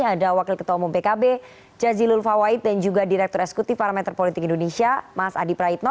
ada wakil ketua umum pkb jazil ulfa waib dan juga direktur eksekutif parameter politik indonesia mas adi praitno